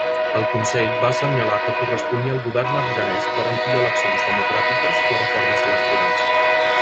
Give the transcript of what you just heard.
El Consell va assenyalar que corresponia al govern afganès garantir eleccions democràtiques i reformes electorals.